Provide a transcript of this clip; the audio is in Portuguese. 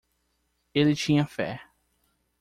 Ele tinha fé.